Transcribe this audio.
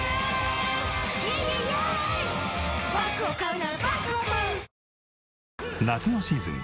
「うわ！」夏のシーズン